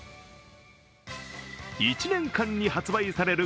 １年間に発売される